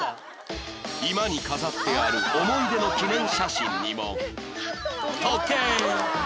居間に飾ってある思い出の記念写真にも時計